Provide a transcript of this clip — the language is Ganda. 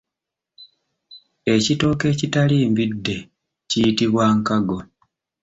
Ekitooke ekitali mbidde kiyitibwa Nkago.